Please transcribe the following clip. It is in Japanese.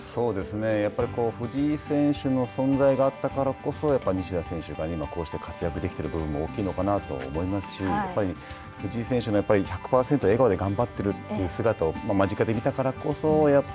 やっぱり藤井選手の存在があったからこそやっぱり西田選手が、今こうして活躍できてる部分も大きいのかなと思いますし、やっぱり、藤井選手の１００％笑顔で頑張ってるという姿を間近で見たからこそ、やっぱ